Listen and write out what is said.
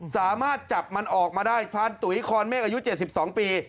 สามารถจับมันออกมาได้ทานตุ๋ยคอนเมฆอายุ๗๒ปี